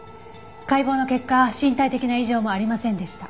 解剖の結果身体的な異常もありませんでした。